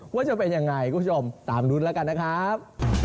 ว่าจะเป็นยังไงคุณผู้ชมตามลุ้นแล้วกันนะครับ